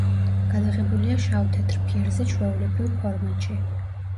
გადაღებულია შავ-თეთრ ფირზე ჩვეულებრივ ფორმატში.